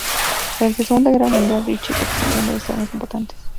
Durante la Segunda Guerra Mundial, Richter participó en varios torneos importantes.